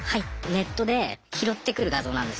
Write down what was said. ネットで拾ってくる画像なんですよ。